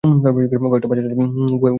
কয়েকটা বাচ্চা ছেলে গুহায় আটকা পড়েছে।